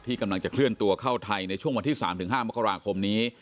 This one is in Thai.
กำลังจะเคลื่อนตัวเข้าไทยในช่วงวันที่๓๕มกราคมนี้